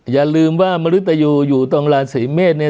อย่าลืมว่ามฤตยุอยู่ตรงลาศิเมตรเนี่ย